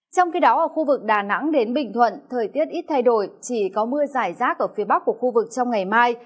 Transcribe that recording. trong khi đó ở khu vực đà nẵng đến bình thuận thời tiết ít thay đổi chỉ có mưa giải rác ở phía bắc của khu vực trong ngày mai